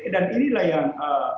dan inilah yang